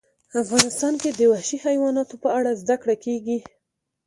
افغانستان کې د وحشي حیواناتو په اړه زده کړه کېږي.